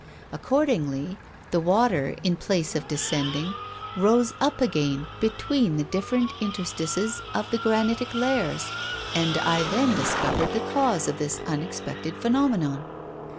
Accordingly, the water, in place of descending, rose up again between the different interstices of the granitic layers. And I then discovered the cause of this unexpected phenomenon.